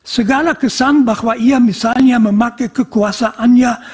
segala kesan bahwa ia misalnya memakai kekuasaannya